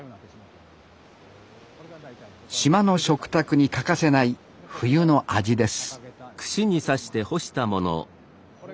島の食卓に欠かせない冬の味です